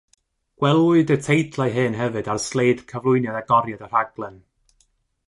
Gwelwyd y teitlau hyn hefyd ar sleid cyflwyniad agoriad y rhaglen.